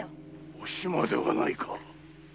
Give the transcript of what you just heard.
おしまではないか。